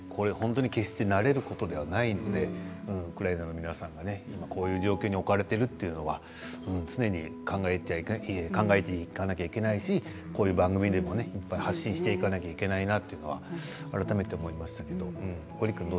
決して慣れることではないのでウクライナの皆さんが今こういう状況に置かれているというのは常に考えていかなきゃいけないしこういう番組でも発信していかなきゃいけないなというのは改めて思いました。